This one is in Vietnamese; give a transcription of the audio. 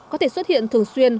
có thể xuất hiện thường xuyên